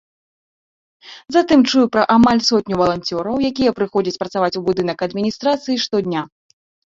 Затым чую пра амаль сотню валанцёраў, якія прыходзяць працаваць у будынак адміністрацыі штодня.